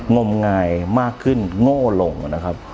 งมงายมากขึ้นโง่ลงนะครับ